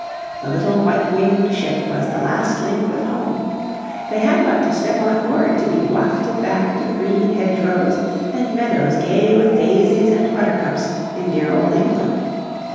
The little white winged ship was the last link with home. They had but to step on board to be wafted back to the green hedgerows and meadows gay with daisies and buttercups in dear old England.